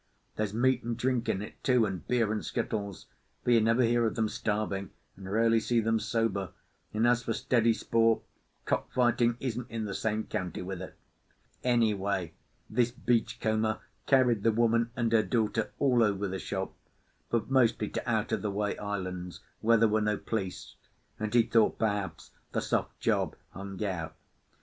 There's meat and drink in it too, and beer and skittles, for you never hear of them starving, and rarely see them sober; and as for steady sport, cock fighting isn't in the same county with it. Anyway, this beachcomber carried the woman and her daughter all over the shop, but mostly to out of the way islands, where there were no police, and he thought, perhaps, the soft job hung out.